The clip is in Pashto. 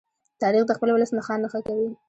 تاریخ د خپل ولس نښان نښه کوي.